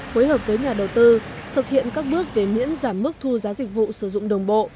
phối hợp với nhà đầu tư thực hiện các bước về miễn giảm mức thu giá dịch vụ sử dụng đồng bộ